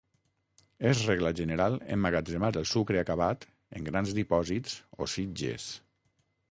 És regla general emmagatzemar el sucre acabat en grans dipòsits o sitges.